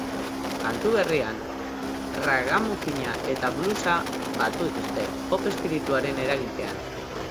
Kantu berrian, raggamuffina eta bluesa batu dituzte pop espirituaren eraginpean.